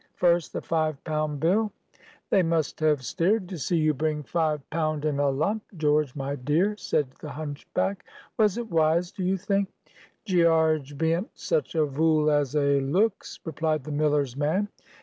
First, the five pound bill"— "They must have stared to see you bring five pound in a lump, George, my dear!" said the hunchback. "Was it wise, do you think?" "Gearge bean't such a vool as a looks," replied the miller's man.